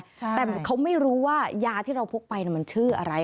แต่เขาไม่รู้ว่ายาที่เราพกไปมันชื่ออะไร